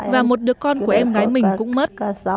và một đứa con của em gái mình cũng mất